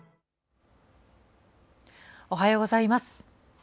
おはようございます。